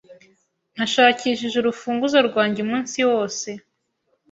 Nashakishije urufunguzo rwanjye umunsi wose.